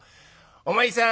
お前さん